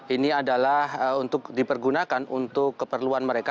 ini adalah untuk dipergunakan untuk keperluan mereka